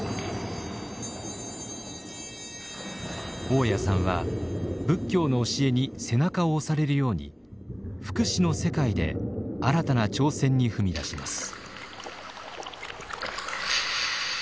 雄谷さんは仏教の教えに背中を押されるように福祉の世界で新たな挑戦に踏み出します。